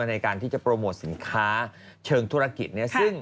ในการที่จะโปรโมทสินค้าเชิงธุรกิจเนี่ย